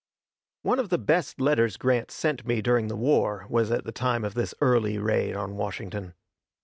One of the best letters Grant sent me during the war was at the time of this Early raid on Washington.